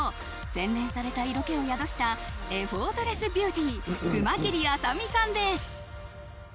洗練された色気を宿したエフォートレスビューティー熊切あさ美さんです。